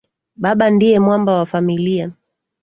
Baba ndiye mwamba wa familia